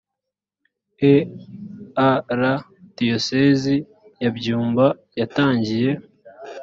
e a r diyoseze ya byumba yatangiye